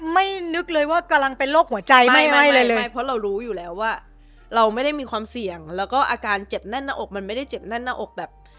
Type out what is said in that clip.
ไม่นึกเลยว่ากำลังเป็นโรคหัวใจไม่ไม่อะไรเลยไม่เพราะเรารู้อยู่แล้วว่าเราไม่ได้มีความเสี่ยงแล้วก็อาการเจ็บแน่นหน้าอกมันไม่ได้เจ็บแน่นหน้าอกแบบ